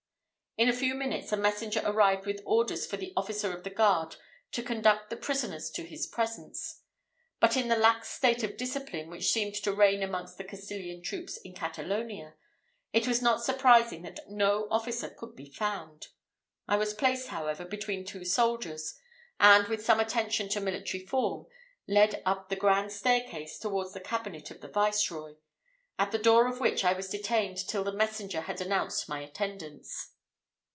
In a few minutes, a messenger arrived with orders for the officer of the guard to conduct the prisoners to his presence; but in the lax state of discipline which seemed to reign amongst the Castilian troops in Catalonia, it was not surprising that no officer could be found. I was placed, however, between two soldiers, and, with some attention to military form, led up the grand staircase towards the cabinet of the viceroy, at the door of which I was detained till the messenger had announced my attendance.